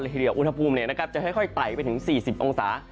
ทีเดียวอุณหภูมิจะค่อยไต่ไปถึง๔๐องศา